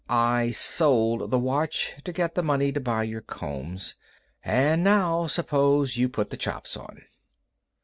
I sold the watch to get the money to buy your combs. And now suppose you put the chops on."